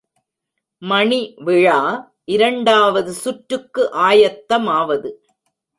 மணிவிழா இரண்டாவது சுற்றுக்கு ஆயத்தமாவது.